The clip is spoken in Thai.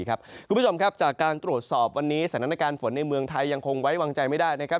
คุณผู้ชมครับจากการตรวจสอบวันนี้สถานการณ์ฝนในเมืองไทยยังคงไว้วางใจไม่ได้นะครับ